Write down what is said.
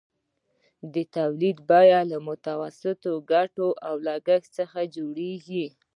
د تولید بیه له متوسطې ګټې او لګښت څخه جوړېږي